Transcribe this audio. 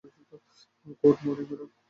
Good morning, madam.